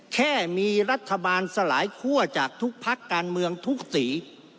แค่มีรัฐบาลสลายคั่วจากทุกพักการเมืองทุกสี